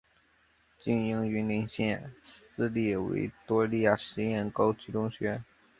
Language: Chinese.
经营云林县私立维多利亚实验高级中学。